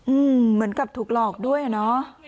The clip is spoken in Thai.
อืมเหมือนกับถูกหลอกด้วยน่ะ